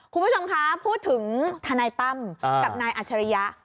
คุณผู้ชมคะพูดถึงทนายตั้มกับนายอัชริยะ